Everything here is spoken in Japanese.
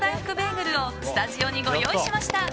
ぐるをスタジオにご用意しました！